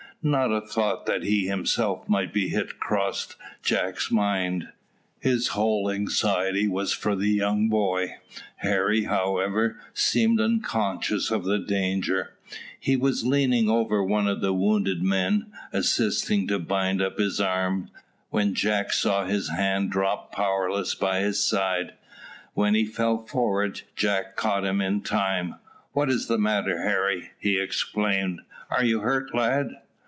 Not a thought that he himself might be hit crossed Jack's mind. His whole anxiety was for the young boy. Harry, however, seemed unconscious of danger. He was leaning over one of the wounded men, assisting to bind up his arm, when Jack saw his hand drop powerless by his side, while he fell forward. Jack caught him in time. "What is the matter, Harry?" he exclaimed. "Are you hurt, lad?"